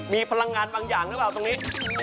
มีพลังงานบางอย่างหรือเปล่าตรงนี้